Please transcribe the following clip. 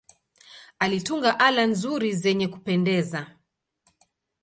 Alitunga ala nzuri zenye kupendeza.